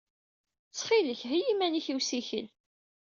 Ttxil-k heyyi iman-ik i usikel.